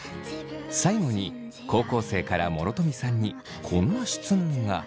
最後に高校生から諸富さんにこんな質問が。